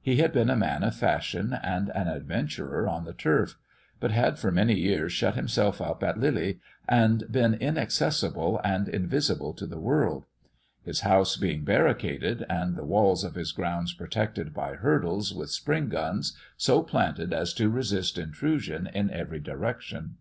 He had been a man of fashion, and an adventurer on the turf; but had for many years shut himself up at Lilley, and been inaccessible and invisible to the world; his house being barricaded, and the walls of his grounds protected by hurdles, with spring guns, so planted as to resist intrusion in every direction.